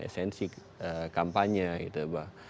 esensi kampanye gitu